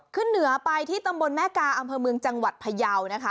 ขึ้นเหนือไปที่ตำบลแม่กาอำเภอเมืองจังหวัดพยาวนะคะ